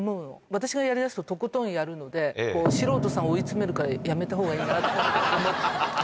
私がやりだすと、とことんやるので、素人さんを追い詰めるから、やめたほうがいいなと思って。